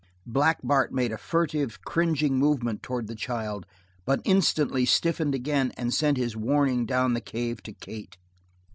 Black Bart made a furtive, cringing movement towards the child, but instantly stiffened again and sent his warning down the cave to Kate.